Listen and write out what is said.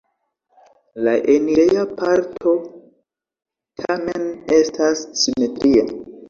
La enireja parto tamen estas simetria.